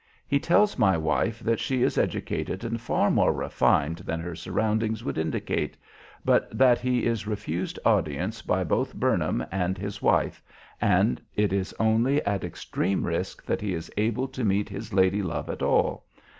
He tells my wife that she is educated and far more refined than her surroundings would indicate, but that he is refused audience by both Burnham and his wife, and it is only at extreme risk that he is able to meet his lady love at all.